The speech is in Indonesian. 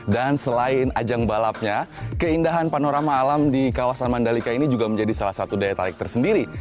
dan selain ajang balapnya keindahan panorama alam di kawasan mandalika ini juga menjadi salah satu daya tarik tersendiri